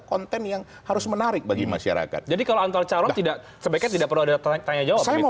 kenyang harus menarik bagi masyarakat jadi kalau antar cara tidak sebacksidak ratatnya jalur saya mau